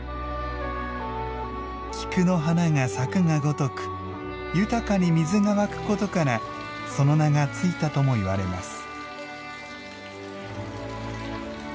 菊の花が咲くがごとく豊かに水が湧くことからその名がついたとも言われます。